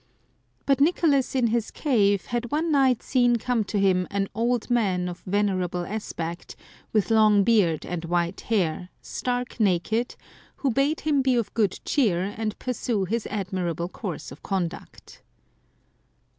But Nicolas in his cave had one night seen come to him an old man of venerable aspect, with long beard and white hair, stark naked,^ who bade him be of good cheer, and pursue his admirable course of conduct.